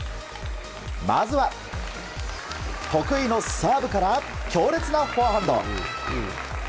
まずは得意のサーブから強烈なフォアハンド。